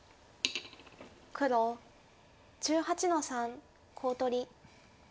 黒１８の三コウ取り。